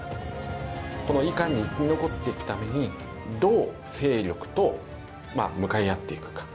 このいかに生き残っていくためにどう勢力と向かい合っていくか。